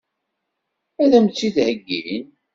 Ad m-tt-id-heggin?